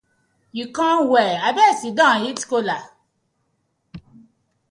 Yu com well, abeg siddon eat kola.